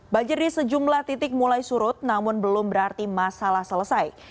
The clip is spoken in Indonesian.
banjir di sejumlah titik mulai surut namun belum berarti masalah selesai